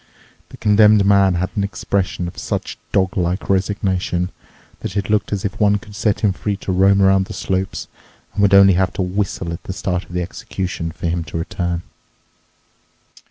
The Condemned Man had an expression of such dog like resignation that it looked as if one could set him free to roam around the slopes and would only have to whistle at the start of the execution for him to return.